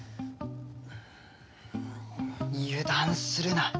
油断するな。